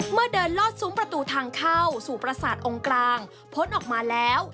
เมื่อเดินลอดซุ้มประตูทางเข้าสู่ประสาทองค์กลางพ้นออกมาแล้ว